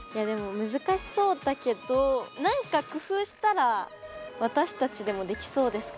でも難しそうだけどなんか工夫したら私たちでもできそうですかね。